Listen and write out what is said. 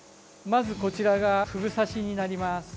まず、こちらがフグ刺しになります。